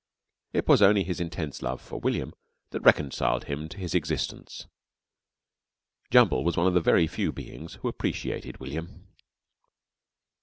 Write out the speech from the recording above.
It was only his intense love for William that reconciled him to his existence. Jumble was one of the very few beings who appreciated William.